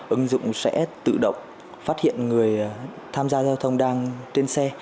ứng dụng sẽ tự động phát hiện người tham gia giao thông đang trên xe